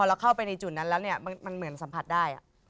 เราเข้าไปในจุดนั้นแล้วเนี่ยมันเหมือนสัมผัสได้